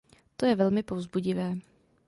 To je velmi povzbudivé.